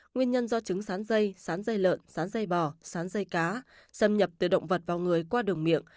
nguyên nhân do trứng sán dây sán dây lợn sán dây bò sán dây cá xâm nhập từ động vật vào người qua đường miệng